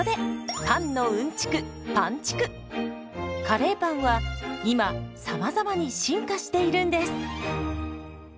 カレーパンは今さまざまに進化しているんです。